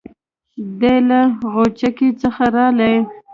دی له غوڅکۍ څخه رالی.